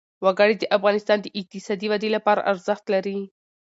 وګړي د افغانستان د اقتصادي ودې لپاره ارزښت لري.